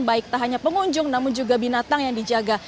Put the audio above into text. baik tak hanya pengunjung namun juga binatang yang dijaga